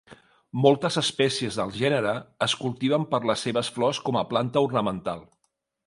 Moltes espècies del gènere es cultiven per les seves flors com a planta ornamental.